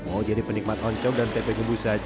oh jadi penikmat oncom dan tempe gembus saja